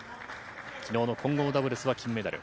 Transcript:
きのうの混合ダブルスは金メダル。